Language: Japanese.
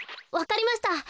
わかりました。